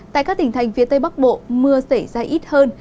tại các tỉnh thành phía tây bắc bộ mưa xảy ra ít hơn